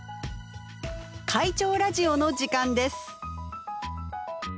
「会長ラジオ」の時間です！